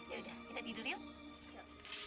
yaudah kita tidur yuk